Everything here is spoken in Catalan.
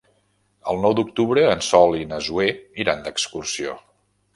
El nou d'octubre en Sol i na Zoè iran d'excursió.